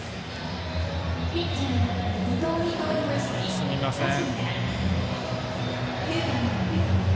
すみません。